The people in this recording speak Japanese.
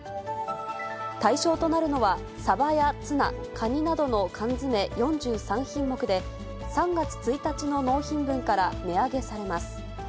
対象となるのは、サバやツナ、カニなどの缶詰４３品目で、３月１日の納品分から値上げされます。